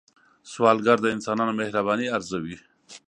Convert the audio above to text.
سوالګر د انسانانو مهرباني ارزوي